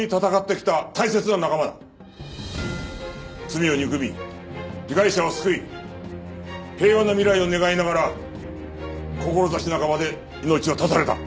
罪を憎み被害者を救い平和な未来を願いながら志半ばで命を絶たれた。